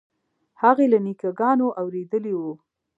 هغې له نیکه ګانو اورېدلي وو.